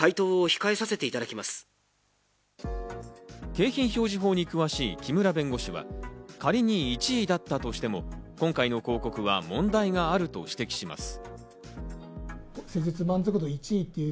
景品表示法に詳しい木村弁護士は仮に１位だったとしても、今回の広告は問題があると指摘します。